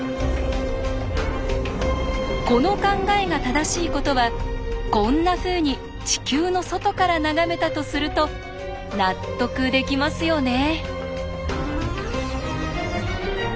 この考えが正しいことはこんなふうに地球の外から眺めたとすると納得できますよね。